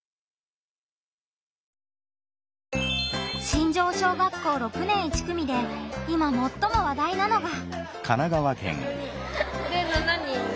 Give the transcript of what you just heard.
新城小学校６年１組で今もっとも話題なのが。